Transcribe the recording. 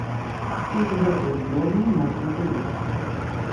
І з гэтай зборнай можна гуляць.